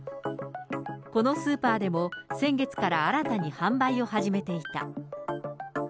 このスーパーでも先月から新たに販売を始めていた。